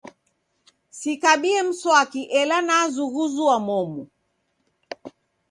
Sikabie mswaki ela nazughuzua momu.